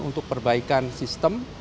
untuk perbaikan sistem